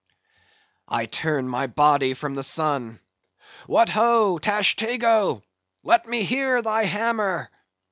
"I turn my body from the sun. What ho, Tashtego! let me hear thy hammer.